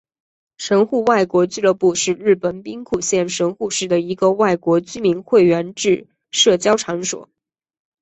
神户外国俱乐部是日本兵库县神户市的一个外国居民会员制社交场所。